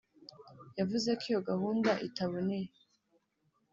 yavuze ko iyo gahunda itaboneye